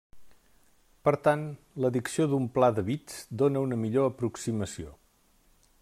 Per tant, l'addició d'un pla de bits dóna una millor aproximació.